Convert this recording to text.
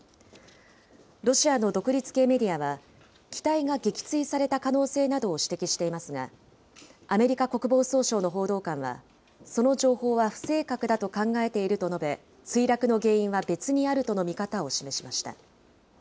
ロシアの独立系メディアは、機体が撃墜された可能性などを指摘していますが、アメリカ国防総省の報道官はその情報は不正確だと考えていると述べ、墜落の原因は別にあるとの見方を示しました。